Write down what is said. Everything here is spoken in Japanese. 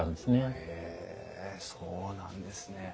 へえそうなんですね。